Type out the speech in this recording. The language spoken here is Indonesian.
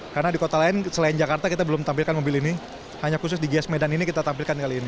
karena di kota lain selain jakarta kita belum tampilkan mobil ini hanya khusus di gias medan ini kita tampilkan kali ini